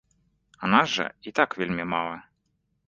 А нас жа і так вельмі мала!